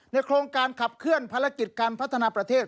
โครงการขับเคลื่อนภารกิจการพัฒนาประเทศ